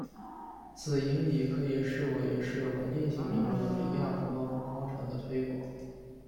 此引理可以视为是稳定性理论李亚普诺夫方程的推广。